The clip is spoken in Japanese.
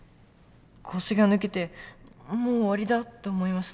腰が抜けてもう終わりだと思いました。